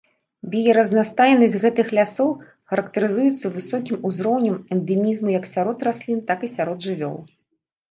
Біяразнастайнасць гэтых лясоў характарызуецца высокім узроўнем эндэмізму як сярод раслін, так і сярод жывёл.